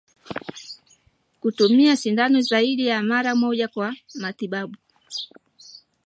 Kutumia sindano zaidi ya mara moja kwa matibabu